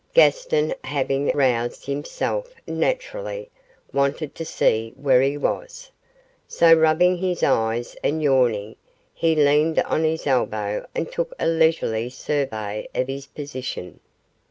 Gaston having roused himself naturally wanted to see where he was, so rubbing his eyes and yawning he leaned on his elbow and took a leisurely survey of his position.